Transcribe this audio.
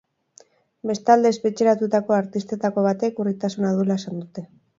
Bestalde, espetxeratutako artistetako batek urritasuna duela esan dute.